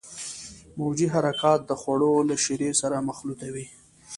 موجي حرکات د خوړو له شیرې سره مخلوطوي.